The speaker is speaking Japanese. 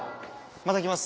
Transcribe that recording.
また来ます。